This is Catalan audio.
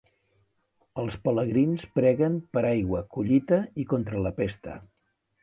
Els pelegrins preguen per aigua, collita i contra la pesta.